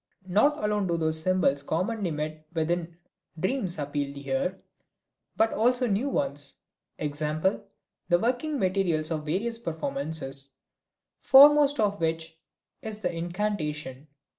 Not alone do those symbols commonly met with in dreams appeal here, but also new ones, e.g., the working materials of various performances, foremost of which is the incantation.